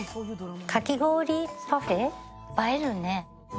かき氷パフェ、映えるね。